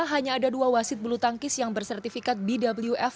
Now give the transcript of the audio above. hanya ada dua wasit bulu tangkis yang bersertifikat bwf